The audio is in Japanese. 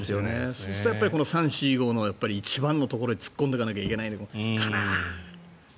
そうすると３、４、５の一番のところに突っ込んでいかなきゃいけないかな。